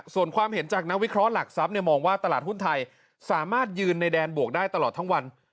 ส่วนความเห็นจากนักวิเคราะห์หลักทรัพย์มองว่าตลาดหุ้นไทยสามารถยืนในแดนบวกได้ตลอดทั้งวัน